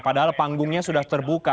padahal panggungnya sudah terbuka